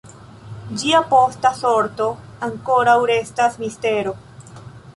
Ĝia posta sorto ankoraŭ restas mistero.